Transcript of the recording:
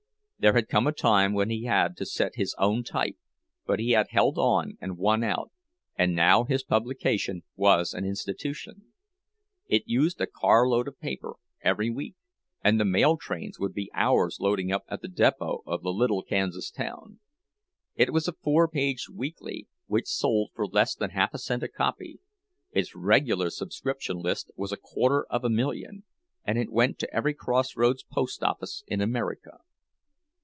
There had come a time when he had to set his own type, but he had held on and won out, and now his publication was an institution. It used a carload of paper every week, and the mail trains would be hours loading up at the depot of the little Kansas town. It was a four page weekly, which sold for less than half a cent a copy; its regular subscription list was a quarter of a million, and it went to every crossroads post office in America.